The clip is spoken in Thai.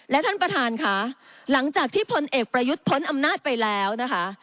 และท่านประธานค่ะหลังจากที่พลเอกประยุทธ์พ้นอำนาจไปแล้วนะคะ